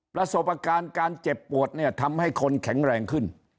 ประสบการณ์การเจ็บปวดเนี่ยทำให้คนแข็งแรงขึ้น